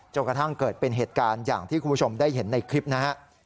กระทั่งเกิดเป็นเหตุการณ์อย่างที่คุณผู้ชมได้เห็นในคลิปนะฮะ